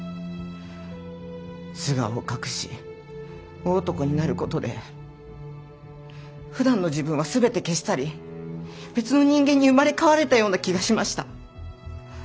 素顔を隠し大男になることでふだんの自分は全て消し去り別の人間に生まれ変われたような気がしました。